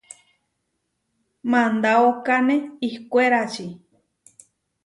Mandaókane ihkwérači.